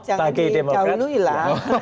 jangan dicaului lah